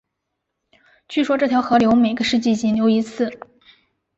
据说这两条河流每个世纪仅流一次。